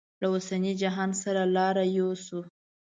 له اوسني جهان سره لاره یوسو.